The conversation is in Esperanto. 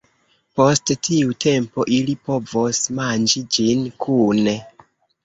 Post tiu tempo, ili povos manĝi ĝin kune.